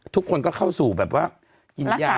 ทุกคนก็เข้าสู่แบบว่ากินยา